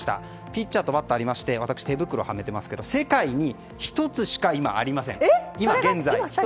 ピッチャーとバッターがありまして私、手袋をはめていますが世界に１つしか今ありません。